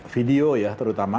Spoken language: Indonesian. video ya terutama